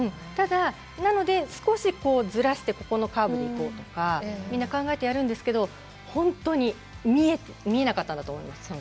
なので少しずらしてこのカーブでいこうとか、みんな考えてやるんですけど本当に見えなかったんだと思います